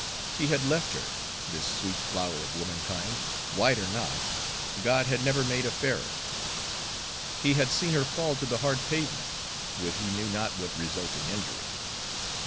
He had left her, this sweet flower of womankind white or not, God had never made a fairer! he had seen her fall to the hard pavement, with he knew not what resulting injury.